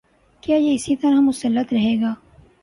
کیا یہ اسی طرح مسلط رہے گا؟